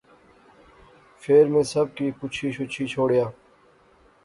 فیر میں سب کی پچھی شچھی شوڑیا